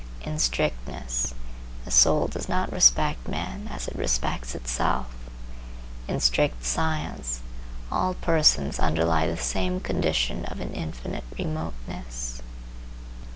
In strictness, the soul does not respect men as it respects itself. In strict science all persons underlie the same condition of an infinite remoteness.